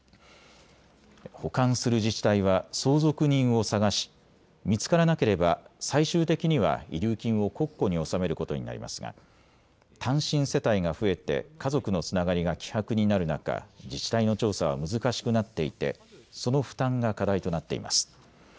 保管する自治体は相続人を探し見つからなければ最終的には遺留金を国庫に納めることになりますが単身世帯が増えて家族のつながりが希薄になる中、自治体の調査は難しくなっていてその負担が課題となっています。